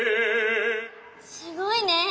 すごいね。